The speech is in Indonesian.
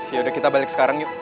ya udah kita balik sekarang yuk